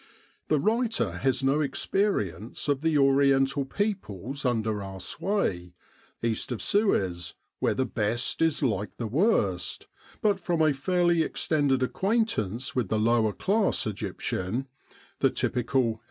The writer has no experience of the Oriental peoples under our sway "East of Suez, where the best is like the worst; " but from a fairly extended acquaintance with the lower class Egyptian the typical E.